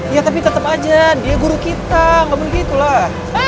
ya tapi tetep aja dia guru kita gak boleh gitu lah